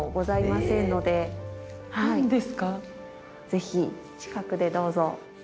ぜひ近くでどうぞ。